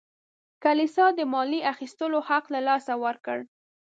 کلیسا د مالیې اخیستلو حق له لاسه ورکړ.